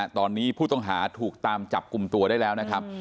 ตอนนี้ผู้ต้องหาถูกตามจับกลุ่มตัวได้แล้วนะครับ